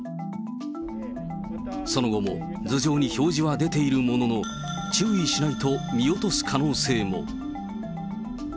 その後も、頭上に表示は出ているものの、注意しないと見落とす可能性も。